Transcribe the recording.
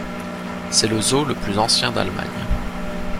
C'est le zoo le plus ancien d'Allemagne.